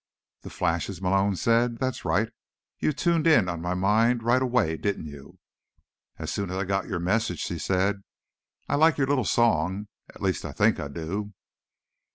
"The flashes?" Malone said. "That's right. You tuned in on my mind right away, didn't you?" "As soon as I got your message," she said. "I like your little song, at least, I think I do."